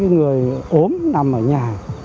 người ốm nằm ở nhà